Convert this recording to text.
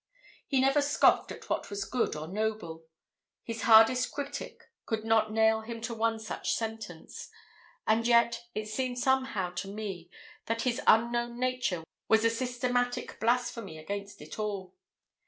He never scoffed at what was good or noble his hardest critic could not nail him to one such sentence; and yet, it seemed somehow to me that his unknown nature was a systematic blasphemy against it all.